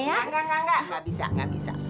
enggak enggak enggak enggak enggak bisa enggak bisa